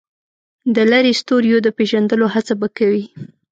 د لرې ستوریو د پېژندلو هڅه به کوي.